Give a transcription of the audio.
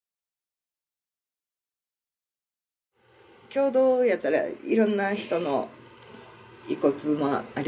共同やったらいろんな人の遺骨もありますよね。